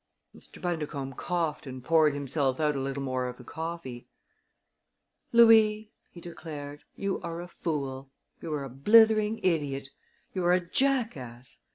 Mr. Bundercombe coughed and poured himself out a little more of the coffee. "Louis," he declared, "you are a fool! You are a blithering idiot! You are a jackass!